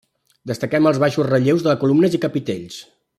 Destaquem els baixos relleus de columnes i capitells.